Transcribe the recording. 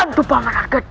itu pulang yang ada